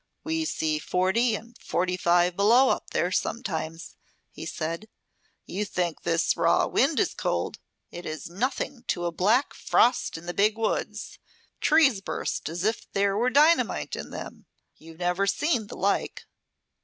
"We see forty and forty five below up there, sometimes," he said. "You think this raw wind is cold; it is nothing to a black frost in the Big Woods. Trees burst as if there were dynamite in 'em. You've never seen the like.